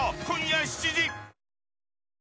今夜７時。